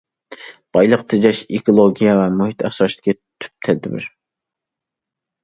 بايلىق تېجەش ئېكولوگىيە ۋە مۇھىت ئاسراشتىكى تۈپ تەدبىر.